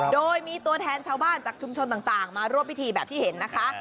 โดยมีตัวแทนชาวบ้านจากชุมชนต่างมาร่วมพิธีแบบที่เห็นนะคะ